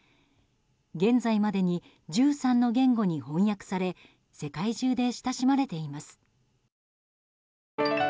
現在までに１３の言語に翻訳され世界中で親しまれています。